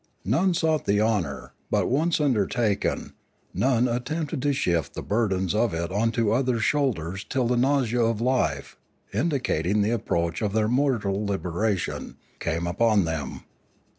None sought the honour, but once undertaken, none attempted to shift the burdens of it onto other shoulders till the nausea of life, indi cating the approach of their mortal liberation, came upon them.